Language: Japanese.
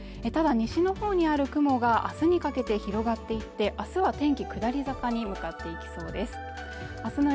ただ西のほうにある雲が明日にかけて広がっていてあすは天気下り坂に向かっていきそうです